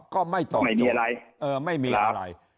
ก็ไม่ต้องโดยไม่มีอะไร